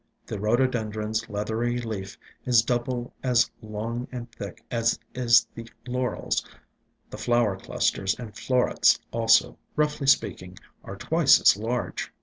The Rhododendron's leathery leaf is double as long IN SILENT WOODS IO7 and thick as is the Laurel's; the flower clusters and florets also, roughly speaking, are twice as large.